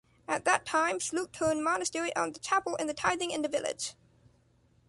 At that time, Schlüchtern Monastery owned the chapel and the tithing in the village.